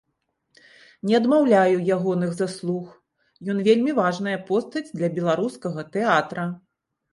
Не адмаўляю ягоных заслуг, ён вельмі важная постаць для беларускага тэатра.